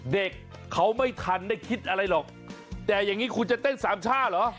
เด็กเขาไม่ทันได้คิดอะไรหรอกแต่อย่างนี้คุณจะเต้นสามช่าเหรอ